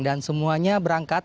dan semuanya berangkat